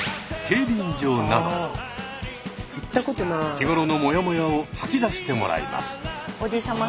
日頃のモヤモヤを吐き出してもらいます。